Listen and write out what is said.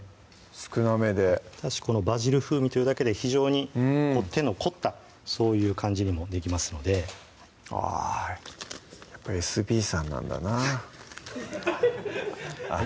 少なめでこのバジル風味というだけで非常に手の凝ったそういう感じにもできますのであやっぱエスビーさんなんだなあっ